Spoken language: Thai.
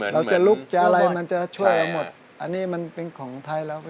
เราจะลุกจะอะไรมันจะช่วยเราหมดอันนี้มันเป็นของไทยเรา